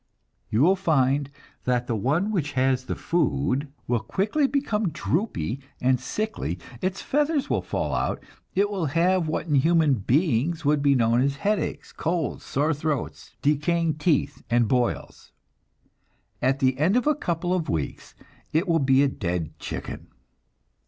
You will find that the one which has the food will quickly become droopy and sickly; its feathers will fall out, it will have what in human beings would be known as headaches, colds, sore throats, decaying teeth and boils. At the end of a couple of weeks it will be a dead chicken.